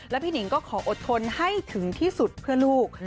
พี่หนิงก็ขออดทนให้ถึงที่สุดเพื่อลูก